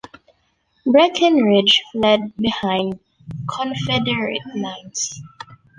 Breckinridge fled behind Confederate lines.